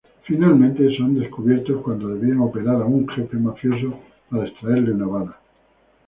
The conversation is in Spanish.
Finalmente, son descubiertos cuando debían operar a un jefe mafioso para extraerle una bala.